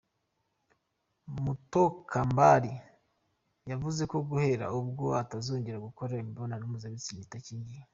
Mutokambali yavuze ko kuhera ubwo atazongera gukora imibonano mpuzabistina idakingiye.